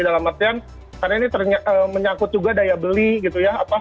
dalam artian karena ini menyangkut juga daya beli gitu ya